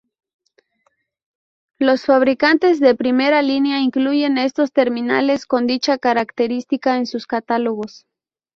Los fabricantes de primera línea incluyen estos terminales con dicha característica en sus catálogos.